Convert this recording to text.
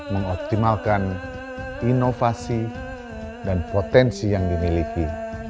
mengoptimalkan inovasi dan potensi yang dimiliki